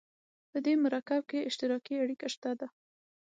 په دې مرکب کې اشتراکي اړیکه شته ده.